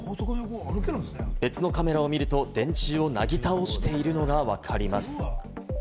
別のカメラを見ると、電柱をなぎ倒しているのがわかります。